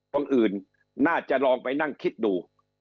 คนอื่นน่าจะลองไปนั่งคิดดู